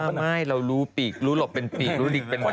ไม่เรารู้ปีกรู้หลบเป็นปีกรู้ดิกไปหมด